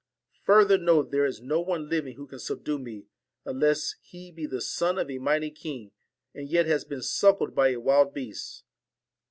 Further, know there is no one living who can subdue me, unless he be the son of a mighty king, and yet has been suckled by a wild beast.'